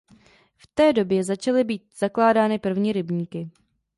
V té době začaly být zakládány první rybníky.